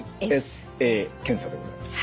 ＰＳＡ検査でございます。